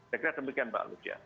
saya kira demikian mbak lucia